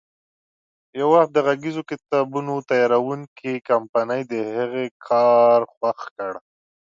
یو وخت د غږیزو کتابونو تیاروونکې کمپنۍ د هغې کار خوښ کړ.